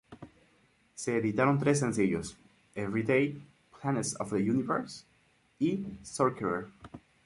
Se editaron tres sencillos: "Every Day", "Planets of The Universe" y "Sorcerer".